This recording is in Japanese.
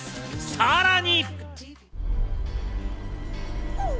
さらに。